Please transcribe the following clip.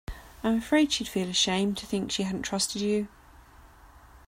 I'm afraid she'd feel ashamed to think she hadn't trusted you.